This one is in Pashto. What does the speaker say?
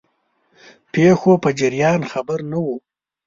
پیښو په جریان خبر نه وو.